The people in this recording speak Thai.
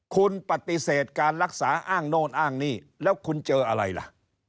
คุณปฏิเสธการรักษาอ้างโน่นอ้างนี่แล้วคุณเจออะไรล่ะ